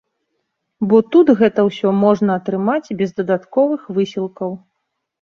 Бо тут гэта ўсё можна атрымаць без дадатковых высілкаў.